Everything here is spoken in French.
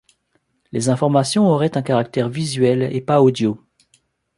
Les informations auraient un caractère visuel et pas audio.